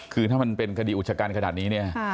คือถ้ามันเป็นคดีอุจจักรกันขนาดนี้